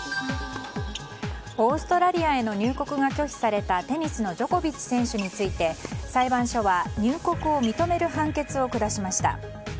オーストラリアへの入国が拒否されたテニスのジョコビッチ選手について裁判所は入国を認める判決を下しました。